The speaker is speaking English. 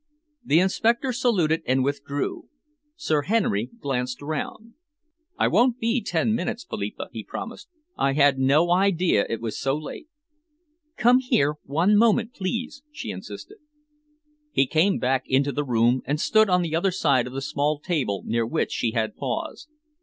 The inspector saluted and withdrew. Sir Henry glanced round. "I won't be ten minutes, Philippa," he promised. "I had no idea it was so late." "Come here one moment, please," she insisted. He came back into the room and stood on the other side of the small table near which she had paused.